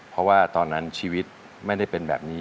เพราะว่าตอนนั้นชีวิตไม่ได้เป็นแบบนี้